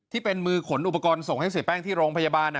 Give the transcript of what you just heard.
ที่เป็นมือขนอุปกรณ์ส่งให้เสียแป้งที่โรงพยาบาล